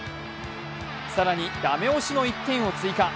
更に駄目押しの１点を追加。